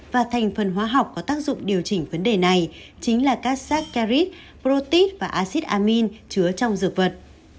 và thành phần hóa học có tác dụng điều chỉnh vấn đề này chính là các sắc carit protein và acid amine chứa trong dược vật